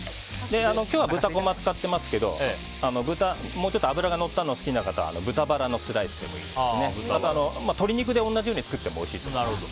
今日は豚こま使ってますけどもうちょっと脂がのったものが好きな方は豚バラのスライスでもいいですしあと、鶏肉で同じように作ってもおいしいと思います。